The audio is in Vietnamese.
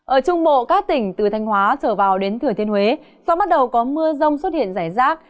ở trung bộ các tỉnh từ thanh hóa trở vào đến thừa thiên huế do bắt đầu có mưa rông xuất hiện rải rác